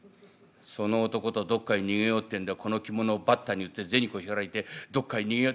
その男とどっかへ逃げようってんでこの着物をばったに売って銭こしらえてどっかへ逃げよう。